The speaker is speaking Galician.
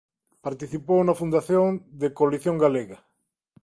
Participou na fundación de Coalición Galega.